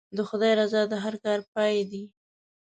د خدای رضا د هر کار پای دی.